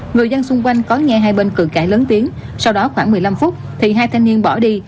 người dân xung quanh có nghe hai bên cường cãi lớn tiếng sau đó khoảng một mươi năm phút thì hai thanh niên bỏ đi